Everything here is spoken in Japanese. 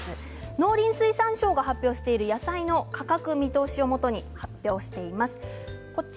農林水産省が発表している野菜の価格見通しをもとに発表しています。